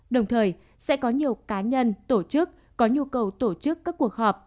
đồng thời sẽ có nhiều cá nhân tổ chức có nhu cầu tổ chức các cuộc họp